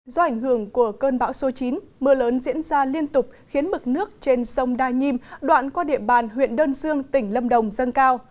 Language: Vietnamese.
do ảnh hưởng của cơn bão số chín mưa lớn diễn ra liên tục khiến mực nước trên sông đa nhiêm đoạn qua địa bàn huyện đơn dương tỉnh lâm đồng dâng cao